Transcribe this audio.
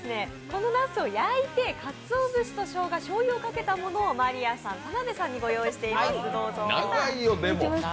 このなすをやいて、かつおぶしとしょうが、しょうゆをかけたものを真莉愛さん、田辺さんにご用意しています。